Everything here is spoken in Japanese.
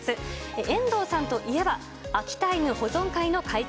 遠藤さんといえば、秋田犬保存会の会長。